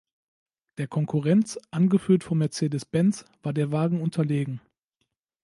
Der Konkurrenz, angeführt von Mercedes-Benz war der Wagen unterlegen.